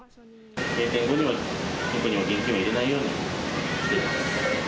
閉店後には、金庫に現金を入れないようにしています。